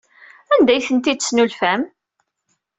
Anda ay tent-id-tesnulfam?